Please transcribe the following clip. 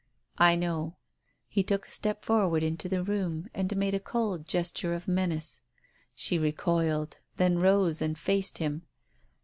" I know." He took a step forward into the room, and made a cold gesture of menace. She recoiled — then rose and faced him.